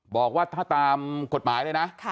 บอกว่าถ้าตามกฎหมายเลยนะ